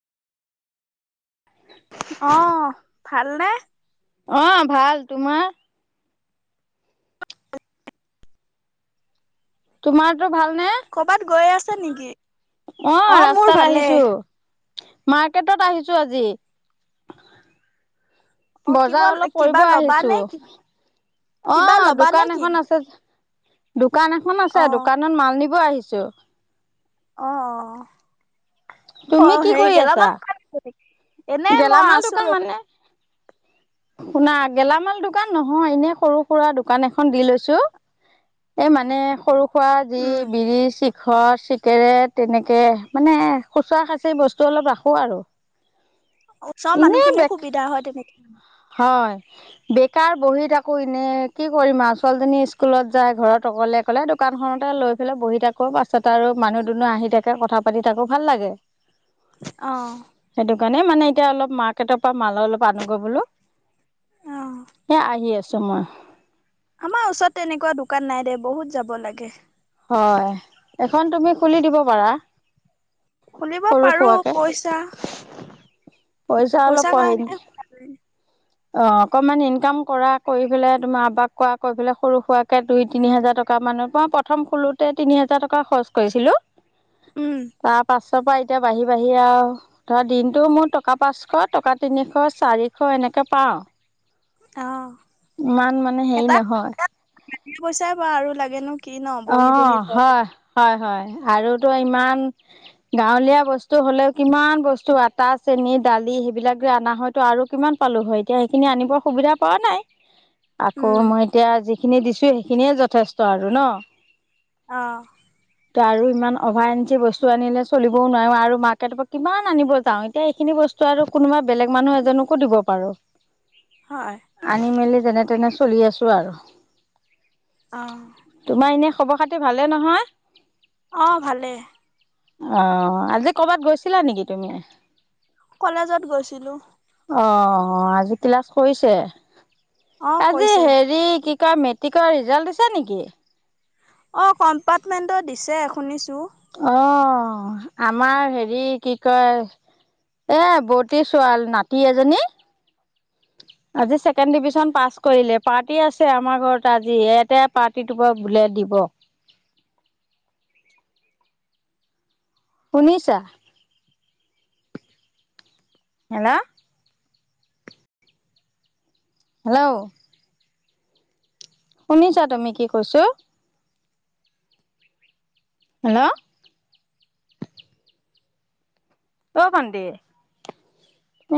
অঁহ ভালনে? অঁ ভাল তোমাৰ? তোমাৰটো ভালনে? ক'বাত গৈ আছে নেকি? অঁ অ মোৰ ৰাস্তাত ভালে আহিছো, মাৰ্কেটত আহিছো আজি। অ বজাৰ কিবা অলপ পৰিব কিবা ল'বা আহিছো, নে কি কিবা অঁ ল'বা নে দোকান কি এখন আছে দোকান এখন আছে, অ দোকানত মাল নিব আহিছো। অঁ হ তুমি কি হেৰি কৰি আছা? গেলামাত নেকি? এনেই মই গেলামাল আছো দোকান ৰ মানে [inaudible] শুনা গেলামাল দোকান নহয়, এনেই সৰু সুৰা দোকান এখন দি লৈছো। এই মানে সৰু সোৱা যি উম বিৰি চি ধৰ চিগেৰেট, এনেকে মানে খুচুৰা খাঁচৰি বস্তু অলপ ৰাখোঁ আৰু। ওচৰ এনেই মানুহখিনিও বেক সুবিধা হয় তেনেকে। হয়। বেকাৰ বহি থাকো এনেই কি কৰিম আও ছোৱালীজনী স্কুলত যায়, ঘৰত অকলে অকলে দো দোকান খনতে লৈ পেলাই বহি থাকো, পাছত আৰু মানুহ-দুনুহ আহি থাকে, কথা পাতি থাকো, ভাল লাগে। অঁহ কাণে মানে এতিয়া অলপ মাৰ্কেটৰ পৰা মাল অলপ আনোগৈ বোলো। অ এ, আহি আছোঁ মই। আমাৰ ওচৰত তেনেকুৱা দোকান নাই দে, বহুত যাব লাগে। হয়, এখন তুমি খুলি দিব পাৰা। খুলিব সৰু পাৰোঁ, সুৰাকে পইচা পইচা অলপ পোহেন অ', অকণমান ইনকাম কৰা, কৰি পেলাই তোমাৰ আবাক কোৱা, কৈ পেলাই সৰু-সুৰাকে দুই তিনি হাজাৰ টকা মানত মই প্ৰথম খোঁলোতে তিনি হাজাৰ টকা খৰচ কৰিছিলোঁ। উম। তাৰ পাছ পা এতিয়া বাঢ়ি বাঢ়ি আও ধৰা, দিনটো মোৰ টকা পাঁচশ, টকা তিনিশ, চাৰিশ এনেক কে পাওঁ। অ ইমান মানে হেই নহয়। [unintelligible] যি পইচাই বা আৰু লাগেনো কি ন'? অ বহি বহি ঘৰতে। হয় হয় হয়, আৰুতো ইমান গাঁৱলীয়া বস্তু হ'লেও কিমান বস্তু আটা, চেনি, দালি সেইবিলাক যে আনা হয়তু আৰু কিমান পালোঁ হয়, এতিয়া সেইখিনি আনিবৰ সুবিধা পোৱা নাই। [inaudible] আকৌ উম মই এতিয়া, যিখিনি দিছোঁ সেইখিনিয়ে যথেষ্ট আৰু ন'? অঁ। এতিয়া আৰু ইমান অভাৰেঞ্চি বস্তু আনিলে চলিবও নোৱাৰো আৰু মাৰ্কেটৰ পৰা কিমান আনিব যাওঁ, এতিয়া এইখিনি বস্তু আৰু কোনোবা বেলেগ মানুহ এজনকো দিব পাৰোঁ। হয়। আনি-মেলি যেনে তেনে চলি আছোঁ আৰু। অ'। তোমাৰ এনেই খবৰ-খাতি ভালেই নহয়? অ' ভালে। অ' আজি কৰ'বাত গৈছিলা নেকি তুমি? কলেজত গৈছিলোঁ। অ' আজি ক্লাছ কৰিছে? অ আজি কৈছে হেৰি কি কয়, মেট্ৰিকৰ ৰিজাল্ট দিছে নেকি? অ' কম্পাৰ্টমেণ্টৰ দিছে শুনিছোঁ। অ' আমাৰ হেৰি কি কয় এ বৌটিৰ ছোৱাল নাতি এজনী আজি ছেকেণ্ড ডিভিজন পাছ কৰিলে, পাৰ্টি আছে আমাৰ ঘৰত আজি। ইয়াতে পাৰ্টিটো [unintelligible] বোলে দিব। শুনিছা? হেল্ল'! হেল্ল'! শুনিছা তুমি কি কৈছোঁ? হেল্ল'! অ' ভন্টি।